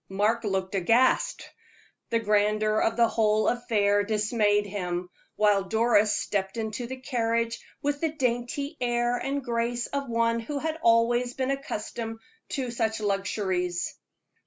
Mark looked aghast; the grandeur of the whole affair dismayed him; while Doris stepped into the carriage with the dainty air and grace of one who had always been accustomed to such luxuries.